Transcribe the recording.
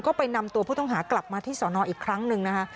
ก็ไปนำตัวผู้ต้องหากลับมาที่สอนออีกครั้งหนึ่งนะคะ